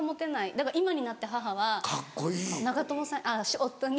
だから今になって母は長友さんあっ夫に。